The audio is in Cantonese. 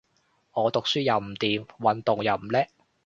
我讀書又唔掂，運動又唔叻